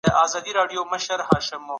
تشخیص ځینې کسان خپه کوي.